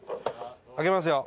開けますよ。